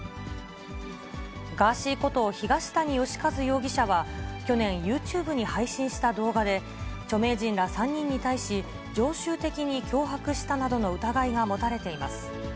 ガーシーこと東谷義和容疑者は、去年、ユーチューブに配信した動画で、著名人ら３人に対し、常習的に脅迫したなどの疑いが持たれています。